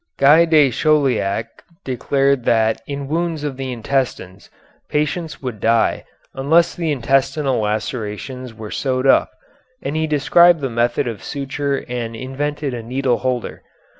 Guy de Chauliac declared that in wounds of the intestines patients would die unless the intestinal lacerations were sewed up, and he described the method of suture and invented a needle holder.